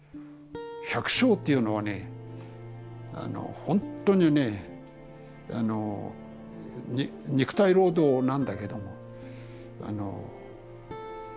百姓っていうのはねあのほんとにね肉体労働なんだけどもあのえ